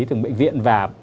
từng bệnh viện và